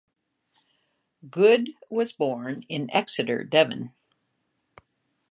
Goode was born in Exeter, Devon.